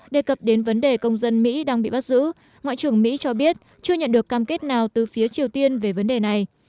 đề cập đến vấn đề công dân mỹ đang bị bắt giữ ngoại trưởng mỹ cho biết chưa nhận được cam kết nào từ phía triều tiên về vấn đề này